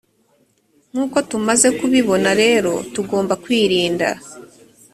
nk’uko tumaze kubibona rero tugomba kwirinda